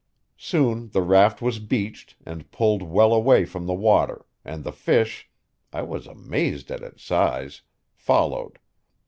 Soon the raft was beached and pulled well away from the water, and the fish I was amazed at its size followed.